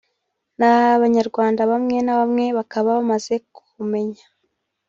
n’abanyarwanda bamwe na bamwe bakaba bamaze kumenya